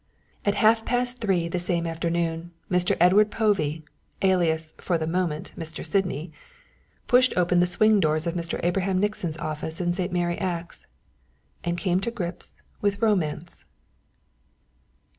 At half past three the same afternoon Mr. Edward Povey, alias, for the moment, Mr. Sydney, pushed open the swing doors of Mr. Abraham Nixon's office in St. Mary Axe and came to grips with Romance.